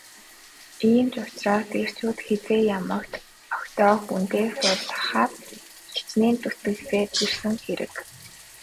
Ийм ч учраас эхчүүд хэзээ ямагт охидоо хүнтэй суулгахаар хичээн зүтгэсээр ирсэн хэрэг.